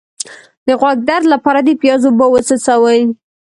د غوږ درد لپاره د پیاز اوبه وڅڅوئ